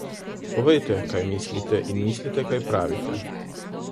Povejte, kaj mislite in mislite, kaj pravite.